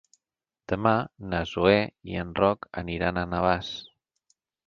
Demà na Zoè i en Roc aniran a Navàs.